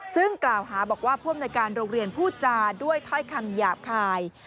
ซึ่งกล่าวฮาบอกว่าพร่อมในการโรงเรียนผู้จาด้วยไทยคำหยาบคาย